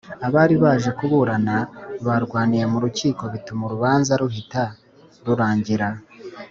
Abaribaje kuburana barwaniye murukiko bituma urubanza ruhita rurangira